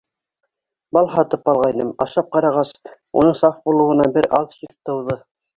Бал һатып алғайным, ашап ҡарағас, уның саф булыуына бер аҙ шик тыуҙы.